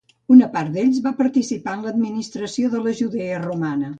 Una part d'ells va participar en l'administració de la Judea romana.